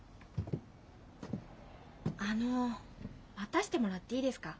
あの待たせてもらっていいですか？